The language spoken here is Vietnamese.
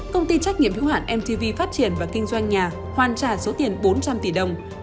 công ty trách nhiệm hữu hạn mtv phát triển và kinh doanh nhà hoàn trả số tiền bốn trăm linh tỷ đồng